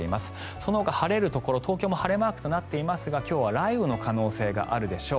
そのほか晴れるところ、東京も晴れマークとなっていますが今日は雷雨の可能性があるでしょう。